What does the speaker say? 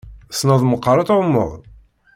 Tessneḍ meqqar ad tεummeḍ?